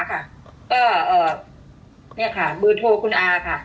ก็นี่ค่ะเบอร์โทรคุณอาค่ะ